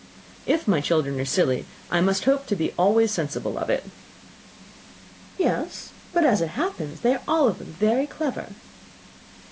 "If my children are silly, I must hope to be always sensible of it." "Yes; but as it happens, they are all of them very clever."